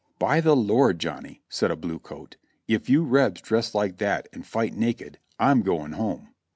"By the Lord, Johnny," said a blue coat, "if you Rebs dress like that and fight naked, I'm going home."